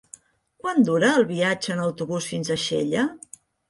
Quant dura el viatge en autobús fins a Xella?